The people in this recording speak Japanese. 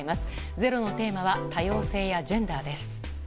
「ｚｅｒｏ」のテーマは多様性やジェンダーです。